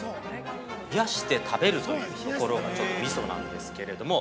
◆冷やして食べるというところが、ちょっとみそなんですけれども。